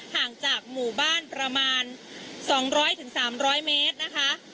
ห่างจากหมู่บ้านประมาณ๒๐๐๓๐๐เมตรนะคะ